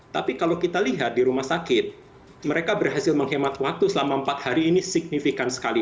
tapi kalau kita lihat di rumah sakit mereka berhasil menghemat waktu selama empat hari ini signifikan sekali